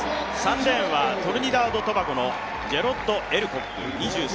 ３レーンはトリニダード・トバゴのジェロッド・エルコック。